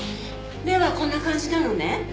目はこんな感じなのね？